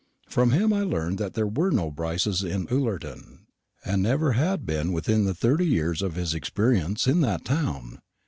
From him I learned that there were no Brices in Ullerton, and never had been within the thirty years of his experience in that town.